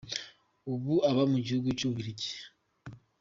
Ubu aba mu gihugu cy’u Bubiligi.